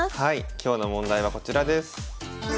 今日の問題はこちらです。